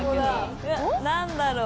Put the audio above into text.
何だろう？